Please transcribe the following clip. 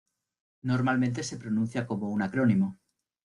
Normalmente se pronuncia como un acrónimo.